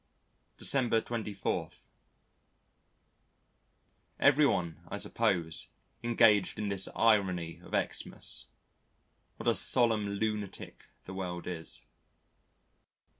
December 24. Everyone I suppose engaged in this irony of Xmas. What a solemn lunatic the world is.